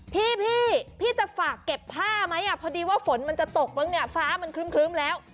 พี่พี่จะฝากเก็บผ้าไหมพอดีว่าฝนมันจะตกปึ้งเนี่ยฟ้ามันครึ้มแล้ว